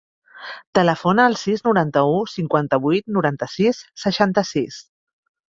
Telefona al sis, noranta-u, cinquanta-vuit, noranta-sis, seixanta-sis.